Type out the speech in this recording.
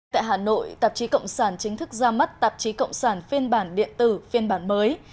tại hà nội tạp chí cộng sản chính thức ra mắt tạp chí cộng sản phiên bản điện tử phiên bản mới